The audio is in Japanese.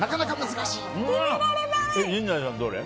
陣内さんどれ？